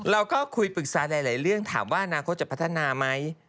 เราก็คุยปรึกษาหลายเรื่องถามว่าอนาคตจะพัฒนาไหม